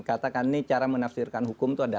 katakan ini cara menafsirkan hukum itu ada